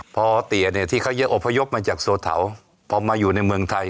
พอเตี๋ยเนี่ยที่เขาเยอะอพยพมาจากโซเถาพอมาอยู่ในเมืองไทย